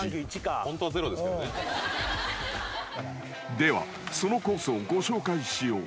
［ではそのコースをご紹介しよう］